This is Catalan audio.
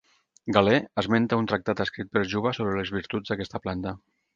Galè esmenta un tractat escrit per Juba sobre les virtuts d'aquesta planta.